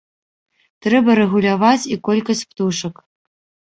Трэба рэгуляваць і колькасць птушак.